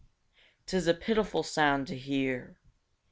'Tis a pitiful sound to hear!